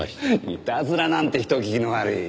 いたずらなんて人聞きの悪い。